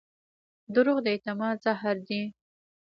دروغ د اعتماد زهر دي.